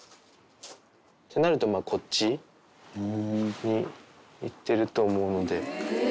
ってなると、こっちに行ってると思うので。